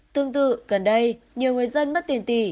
tương tự gần đây nhiều người dân mất tiền tỷ